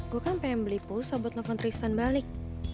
gue kan pengen beli pulsa buat nefon tristan balik